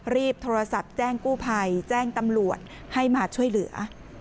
รีบโทรศัพท์แจ้งกู้ภัยแจ้งตำรวจให้มาช่วยเหลือ